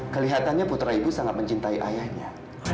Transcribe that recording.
kelihatannya putra ibu sangat mencintai ayahnya